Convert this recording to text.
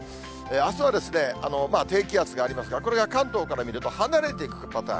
あすは低気圧がありますが、これが関東から見ると離れていくパターン。